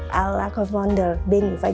lalu bagaimana keranjang investasi